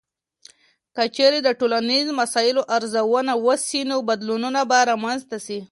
که چیرې د ټولنیزو مسایلو ارزونه وسي، نو بدلونونه به رامنځته سي.